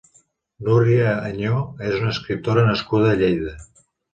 Núria Añó és una escriptora nascuda a Lleida.